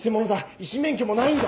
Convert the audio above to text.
医師免許もないんだ。